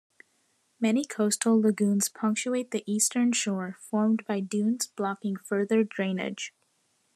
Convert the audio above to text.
Many coastal lagoons punctuate the eastern shore, formed by dunes blocking further drainage.